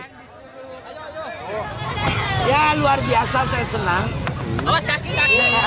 harapan ibu turut dekat bu